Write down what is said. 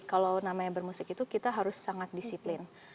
kalau namanya bermusik itu kita harus sangat disiplin